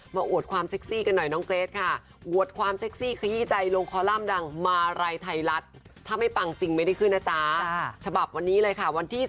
มาอวดความเซ็กซี่กันหน่อยน้องเกรดค่ะ